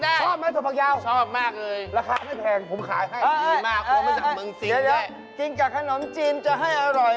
เดี๋ยวกินกับขนมลิ้นจริงจะให้อร่อย